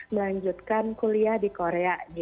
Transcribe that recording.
melanjutkan kuliah di korea